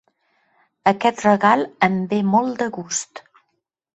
Aquest regal em ve molt de gust.